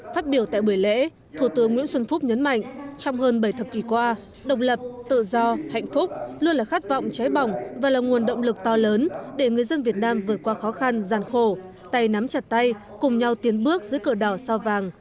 phát biểu tại buổi lễ thủ tướng nguyễn xuân phúc nhấn mạnh trong hơn bảy thập kỷ qua độc lập tự do hạnh phúc luôn là khát vọng cháy bỏng và là nguồn động lực to lớn để người dân việt nam vượt qua khó khăn gian khổ tay nắm chặt tay cùng nhau tiến bước dưới cửa đỏ sao vàng